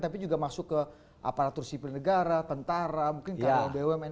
tapi juga masuk ke aparatur sipil negara pentara mungkin kwmn